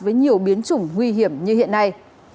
với nhiều biến chủng nguy hiểm như hiện nay